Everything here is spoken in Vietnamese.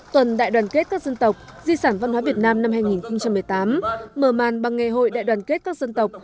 tuần đại đoàn kết các dân tộc di sản văn hóa việt nam năm hai nghìn một mươi tám mở màn bằng ngày hội đại đoàn kết các dân tộc